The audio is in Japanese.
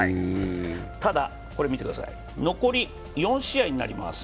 ただ、残り４試合になります。